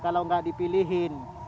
kalau nggak dipilihin